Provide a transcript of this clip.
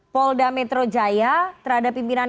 polda metro jaya terhadap pimpinan